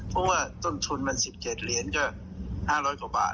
เพราะว่าต้นทุนมัน๑๗เหรียญก็๕๐๐กว่าบาท